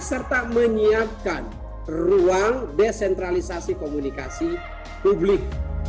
serta menyiapkan ruang desentralisasi komunikasi publik